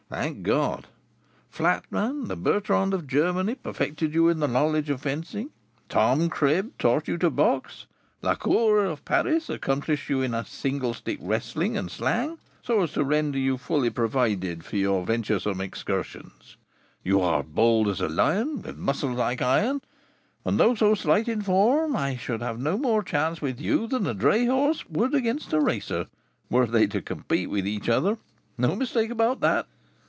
Thank God! Flatman, the Bertrand of Germany, perfected you in the knowledge of fencing; Tom Cribb taught you to box; Lacour, of Paris, accomplished you in single stick, wrestling, and slang, so as to render you fully provided for your venturesome excursions. You are bold as a lion, with muscles like iron, and, though so slight in form, I should have no more chance with you than a dray horse would against a racer, were they to compete with each other. No mistake about that."